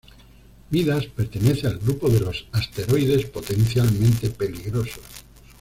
Midas pertenece al grupo de los asteroides potencialmente peligrosos.